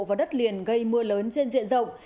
vào đất liền gây mưa lớn trên diện rộng